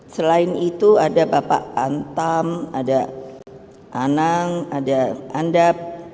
selain itu ada bapak antam ada anang ada andap